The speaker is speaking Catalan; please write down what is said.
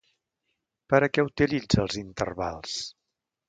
Per a què utilitza els intervals?